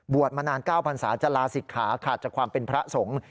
บวชมานานเก้าพรรษาจะลาศิกขาขาดจากความเป็นพระสงฆ์